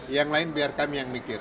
yang lain biar kami yang mikir